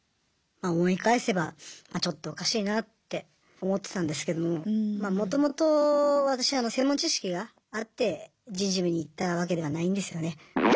まあ思い返せばまあちょっとおかしいなって思ってたんですけどももともと私専門知識があって人事部に行ったわけではないんですよね。